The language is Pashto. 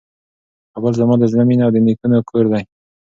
کابل زما د زړه مېنه او د نیکونو کور دی.